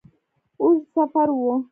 اوږد سفر وو.